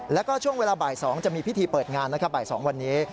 แล้วก็ช่วงเวลาบ่าย๒จะมีพิธีเปิดงานนะครับบ่าย๒วันนี้